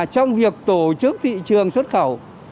trong việc tổ chức thị trường xuất khẩu